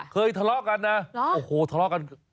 เคยทะเลาะกันนะทะเลาะกัน